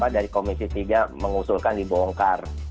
dari komisi tiga mengusulkan di bongkar